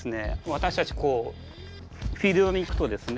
私たちこうフィールドに行くとですね